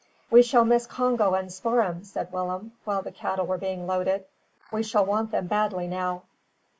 "We shall miss Congo and Spoor'em," said Willem, while the cattle were being loaded. "We shall want them badly now."